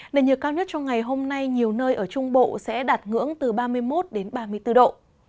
nền nhiệt cao nhất trong ngày hôm nay nhiều nơi ở trung bộ sẽ đạt ngưỡng từ ba mươi một đến ba mươi bốn độ